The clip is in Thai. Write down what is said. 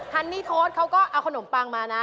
ฮันนี่โค้ดเขาก็เอาขนมปังมานะ